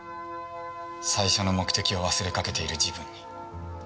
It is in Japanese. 最初の目的を忘れかけている自分に。